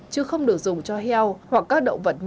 chứ không được dùng cho heo hoặc các động vật như